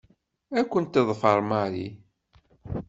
Ad ken-teḍfer Mary.